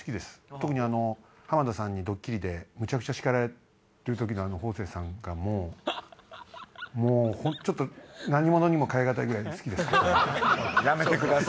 特に浜田さんにドッキリでむちゃくちゃ叱られる時の方正さんがちょっと何物にも代え難いぐらい好きです。